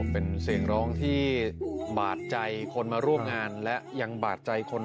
เป็นเสียงร้องที่บาดใจคนมาร่วมงานและยังบาดใจคน